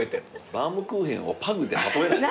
バウムクーヘンをパグで例えないで。